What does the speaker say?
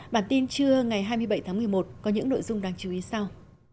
bản tin trưa ngày hai mươi bảy tháng một mươi một có những nội dung đáng chú ý sau